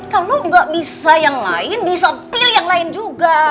kalau nggak bisa yang lain bisa pilih yang lain juga